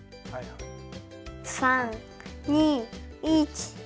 ３２１。